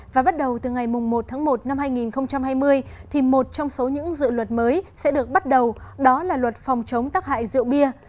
và bắt đầu từ ngày một tháng một năm hai nghìn hai mươi thì một trong số những dự luật mới sẽ được bắt đầu đó là luật phòng chống tắc hại rượu bia